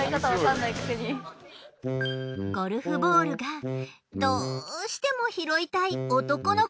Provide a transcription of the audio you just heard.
ゴルフボールがどうしても拾いたい男の子。